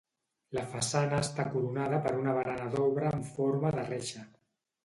La façana està coronada per una barana d'obra amb forma de reixa.